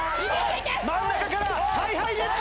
真ん中からＨｉＨｉＪｅｔｓ